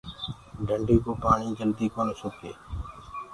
ڌنڊينٚ ڪو پآڻي جدي ڪونآ سُکي۔